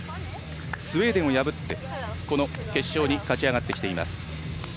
スウェーデンを破って、決勝に勝ち上がってきています。